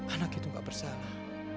anak itu enggak bersalah